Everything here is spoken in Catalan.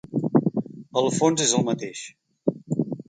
El fons és el mateix.